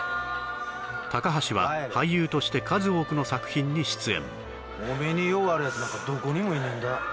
高橋は俳優として数多くの作品に出演おめえに用があるやつなんかどこにもいねえんだ